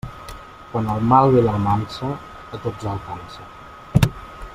Quan el mal ve d'Almansa, a tots alcança.